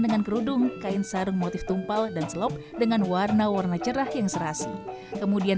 dengan kerudung kain sarung motif tumpal dan selok dengan warna warna cerah yang serasi kemudian